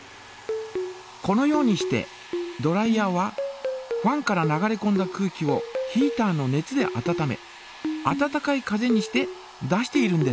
このようにしてドライヤーはファンから流れこんだ空気をヒータの熱で温め温かい風にして出しているんです。